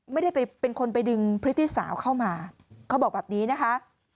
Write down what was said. ไม่ได้ไปเป็นคนไปดึงพฤติสาวเข้ามาเขาบอกแบบนี้นะคะ